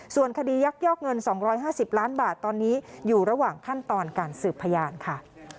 ส่วนคดียักยอกเงิน๒๕๐ล้านบาทตอนนี้อยู่ระหว่างขั้นตอนการสืบพยานค่ะ